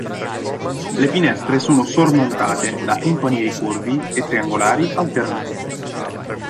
Le finestre sono sormontate da timpani ricurvi e triangolari alternati.